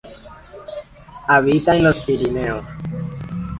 Habita en los Pirineos.